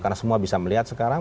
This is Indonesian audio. karena semua bisa melihat sekarang